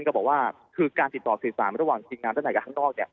กับเราว่าคือการติดต่อสื่อสารระหว่างจริงงานที่สถาการณ์ทางนอกเนี้ย